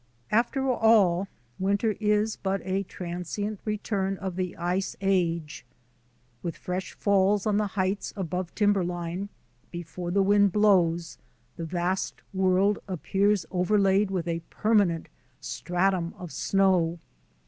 After all, winter is but a transient return of the ice age. With fresh falls on the heights above timberline, before the wind blows, the vast world appears overlaid with a permanent stratum of snow.